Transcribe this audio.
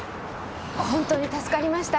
本当に助かりました。